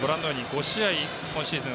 ５試合今シーズン